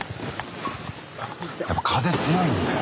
やっぱ風強いんだよ。